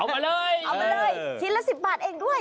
เอามาเลยเอามาเลยชิ้นละ๑๐บาทเองด้วย